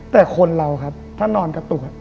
แต่คนเราครับถ้านอนกระตุก